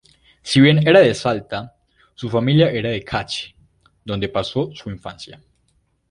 Si bien nació en Salta, su familia era de Cachi, donde pasó su infancia.